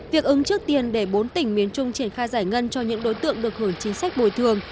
việc ứng trước tiền để bốn tỉnh miền trung triển khai giải ngân cho những đối tượng được hưởng chính sách bồi thường